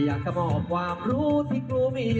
อยากจะบอกความรู้ที่ครูมี